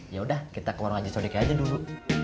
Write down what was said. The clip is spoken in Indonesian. yaudah kita ke warung ajisodek aja dulu